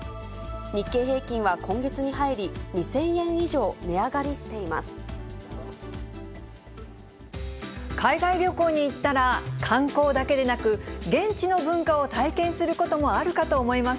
日経平均は今月に入り、２０００海外旅行に行ったら、観光だけでなく、現地の文化を体験することもあるかと思います。